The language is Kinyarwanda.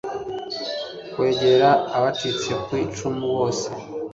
kwegera abacitse ku icumu bose